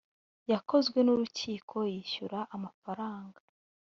yakozwe n urukiko yishyura amafaranga